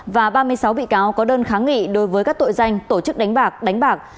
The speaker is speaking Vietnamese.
và ba mươi sáu bị cáo có đơn kháng nghị đối với các tội danh tổ chức đánh bạc đánh bạc